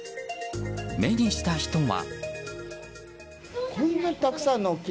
目にした人は。